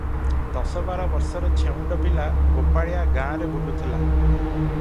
ଦଶ ବାର ବର୍ଷର ଛେଉଣ୍ଡ ପିଲା ଗୋପାଳିଆ ଗାଁରେ ବୁଲୁଥିଲା ।